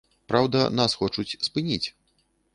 Праўда, нас хочуць спыніць.